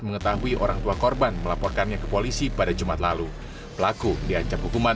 mengetahui orang tua korban melaporkannya ke polisi pada jumat lalu pelaku diancam hukuman